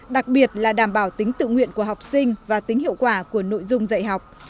đặc biệt là đảm bảo tính tự nguyện của học sinh và tính hiệu quả của nội dung dạy học